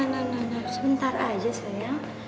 nanti sebentar aja sayang